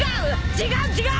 違う違う！